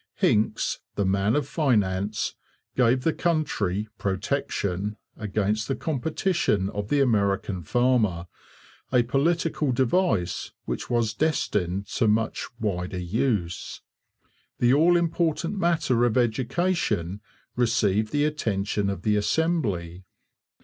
Hincks, the man of finance, gave the country 'protection' against the competition of the American farmer, a political device which was destined to much wider use. The all important matter of education received the attention of the Assembly.